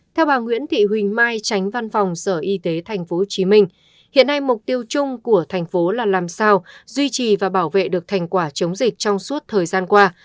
theo bà nguyễn thị huỳnh mai tránh văn phòng sở y tế tp hcm hiện nay mục tiêu chung của thành phố là làm sao duy trì và bảo vệ được thành quả chống dịch trong suốt thời gian qua